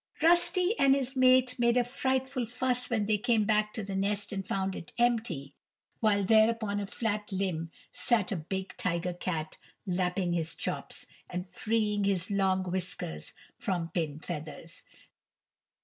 Rusty and his mate made a frightful fuss when they came back to the nest and found it empty; while there upon a flat limb sat a big tiger cat lapping his chops, and freeing his long whiskers from pin feathers.